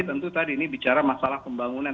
tentu tadi ini bicara masalah pembangunan